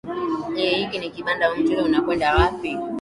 ee hiki ni kibanda huu mchezo unakwenda wapi